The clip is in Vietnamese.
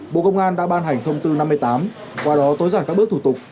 bộ công an đã ban hành thông tư năm mươi tám qua đó tối giản các bước thủ tục